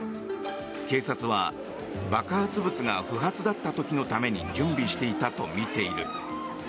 警察は爆発物が不発だった時のために準備していたとみている。